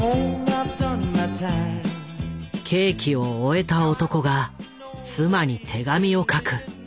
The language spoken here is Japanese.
刑期を終えた男が妻に手紙を書く。